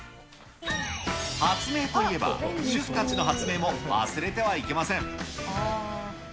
発明といえば、主婦たちの発明も忘れてはいけません。